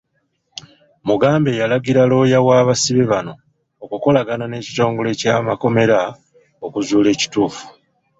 Mugambe yalagira looya w’abasibe bano okukolagana n’ekitongole ky’amakomera okuzuula ekituufu.